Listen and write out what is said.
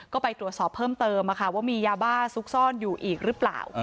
ก็ไปตรวจสอบเพิ่มเติมว่ามียาบ้าซุกซ่อนอยู่อีกหรือเปล่า